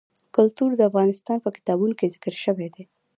کلتور د افغان تاریخ په کتابونو کې ذکر شوی دي.